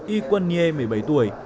y quan nghê một mươi bảy tuổi